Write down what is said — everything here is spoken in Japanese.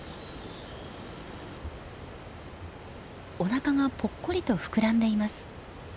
おなかがポッコリと膨らんでいます。